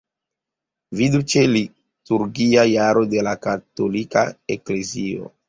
Vidu ĉe Liturgia jaro de la Katolika Eklezio.